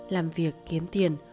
làm việc kiếm tiền